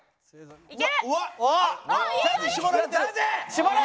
絞れ！